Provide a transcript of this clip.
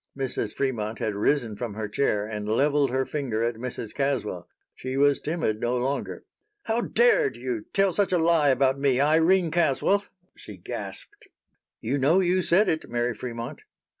Mrs. Fremont had risen from her chair and leveled her finger at Mrs. Caswell. She was timid no longer. "How dared you tell such a lie about me, Irene Caswell?" she gasped. "You know you said it, Mary Fremont."